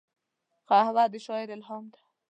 قهوه د شاعر الهام ده